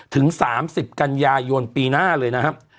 ถึง๓๐กันยายนปีหน้าเลยนะครับ